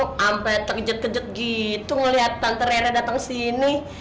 sampai kejut kejut gitu ngelihat tante rere datang sini